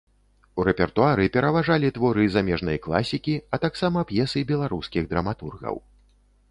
У рэпертуары пераважалі творы замежнай класікі, а таксама п'есы беларускіх драматургаў.